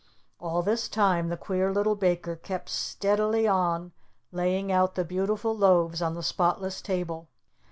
All this time the Queer Little Baker kept steadily on laying out the beautiful loaves on the spotless table.